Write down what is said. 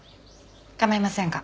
構いませんが。